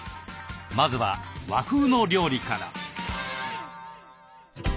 まずは和風の料理から。